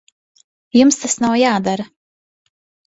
Jums tas nav jādara.